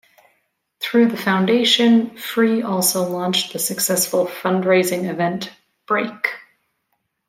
Through the foundation, Free also launched the successful fundraising event, Break!